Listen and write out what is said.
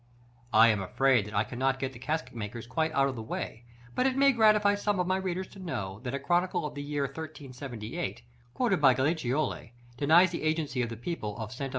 I am afraid I cannot get the casket makers quite out of the way; but it may gratify some of my readers to know that a chronicle of the year 1378, quoted by Galliciolli, denies the agency of the people of Sta.